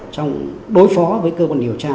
trong đối phó với cơ quan điều tra